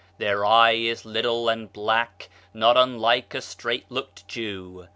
Their eye is little and black, not unlike a straight looked Jew....